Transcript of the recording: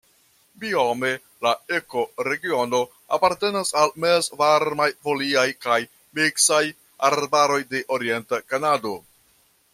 Biome la ekoregiono apartenas al mezvarmaj foliaj kaj miksaj arbaroj de orienta Kanado.